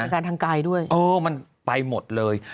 อาการทางกายด้วยเออมันไปหมดเลย